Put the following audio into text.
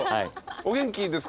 お元気ですか？